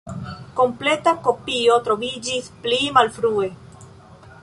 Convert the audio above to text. Kompleta kopio troviĝis pli malfrue.